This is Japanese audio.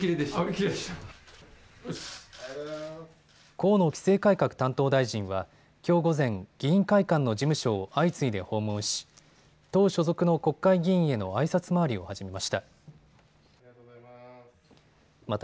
河野規制改革担当大臣はきょう午前、議員会館の事務所を相次いで訪問し党所属の国会議員へのあいさつ回りを始めました。